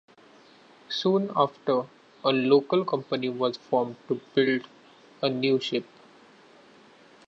Soon after, a local company was formed to build a new ship.